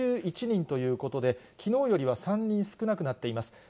６１人ということで、きのうよりは３人少なくなっています。